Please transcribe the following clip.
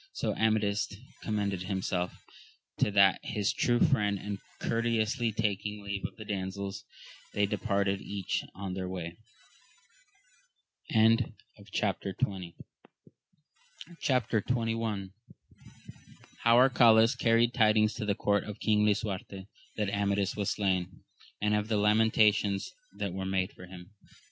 So Amadis commended himself to that his true friend, and courteously taking leave of the damsels, they de parted each on their way. Chap. XXI. — How Arcalaus carried tidings to the court of king Lisuarte that Amadis was slain, and of the lamentations that were made for him.